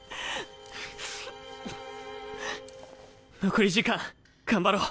残り時間頑張ろう。